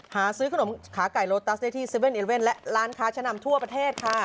หาซื้อขนมขาไก่โลตัสได้ที่๗๑๑และร้านค้าชะนำทั่วประเทศค่ะ